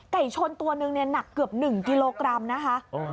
ชนตัวนึงเนี่ยหนักเกือบ๑กิโลกรัมนะคะ